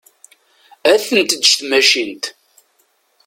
Ad ten-teǧǧ tmacint.